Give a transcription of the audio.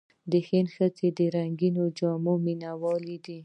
د هند ښځې د رنګینو جامو مینهوالې دي.